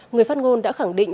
người phát ngôn đã khẳng định